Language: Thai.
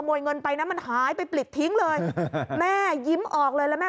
โอ้โฮ